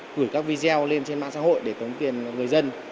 gửi các video lên trên mạng xã hội để tống tiền người dân